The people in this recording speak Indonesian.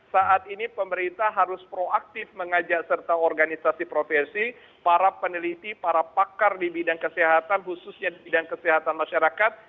saat ini pemerintah harus proaktif mengajak serta organisasi profesi para peneliti para pakar di bidang kesehatan khususnya di bidang kesehatan masyarakat